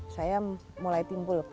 saya mulai timbul